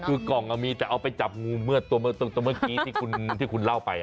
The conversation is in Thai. คือกล่องมีแต่เอาไปจับงูเมื่อตัวเมื่อกี้ที่คุณเล่าไป